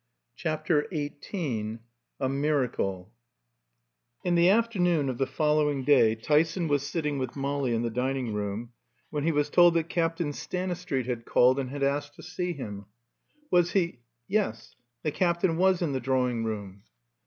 CHAPTER XVIII A MIRACLE In the afternoon of the following day Tyson was sitting with Molly in the dining room when he was told that Captain Stanistreet had called and had asked to see him. "Was he ?" Yes, the Captain was in the drawing room.